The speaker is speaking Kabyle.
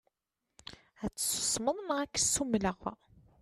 Ad tsusmeḍ neɣ ad k-ssumleɣ.